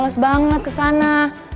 bahas banget ke sana